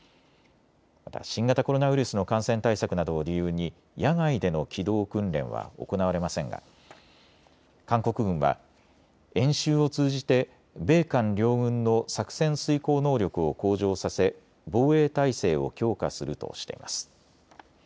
また新型コロナウイルスの感染対策などを理由に野外での機動訓練は行われませんが韓国軍は演習を通じて米韓両軍の作戦遂行能力を向上させ、防衛態勢を強化するとしています。